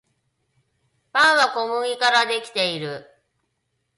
パンは小麦からできている